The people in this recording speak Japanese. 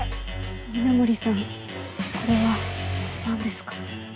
稲森さんこれは何ですか？